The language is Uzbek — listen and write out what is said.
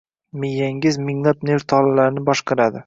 Miyangiz minglab nerv tolalarini boshqaradi